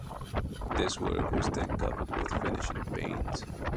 This work was then covered with finishing paint.